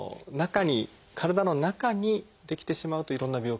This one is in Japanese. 体の中に出来てしまうといろんな病気を起こしますね。